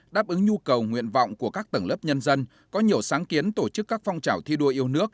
đáp ứng nhu cầu nguyện vọng của các tầng lớp nhân dân có nhiều sáng kiến tổ chức các phong trào thi đua yêu nước